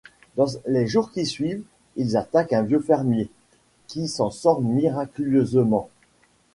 Dans les jours qui suivent, ils attaquent un vieux fermier, qui s’en sort miraculeusement.